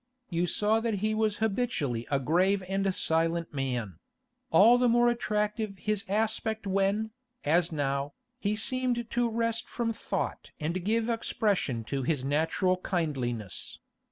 You saw that he was habitually a grave and silent man; all the more attractive his aspect when, as now, he seemed to rest from thought and give expression to his natural kindliness.